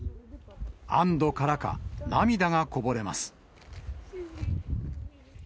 安どからか、涙がこぼれます。